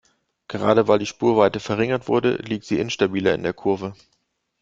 Gerade weil die Spurweite verringert wurde, liegt sie instabiler in der Kurve.